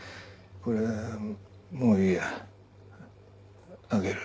これもういいやあげる。